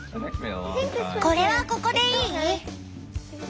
これはここでいい？